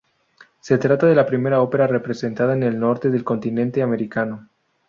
Se trata de la primera ópera representada en el norte del continente Americano.